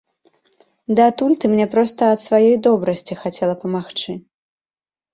Датуль ты мне проста ад сваёй добрасці хацела памагчы.